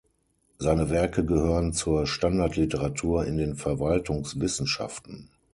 Seine Werke gehören zur Standardliteratur in den Verwaltungswissenschaften.